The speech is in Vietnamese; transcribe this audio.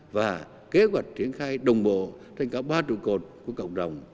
và kế hoạch triển khai đồng bộ trên cả ba trụ cột của cộng đồng